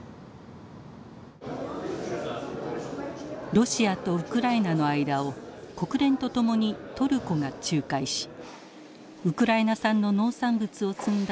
ロシアとウクライナの間を国連と共にトルコが仲介しウクライナ産の農産物を積んだ